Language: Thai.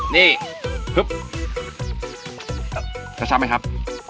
นี่กระชับไหมครับ